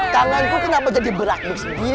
tanganku kenapa jadi berakti sendiri